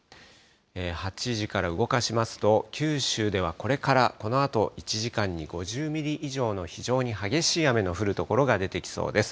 ８時から動かしますと、九州ではこれから、このあと１時間に５０ミリ以上の非常に激しい雨の降る所が出てきそうです。